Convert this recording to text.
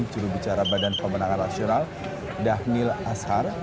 curug bicara badan pemenang rasyional dahnil ashar